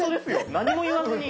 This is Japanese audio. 何も言わずに。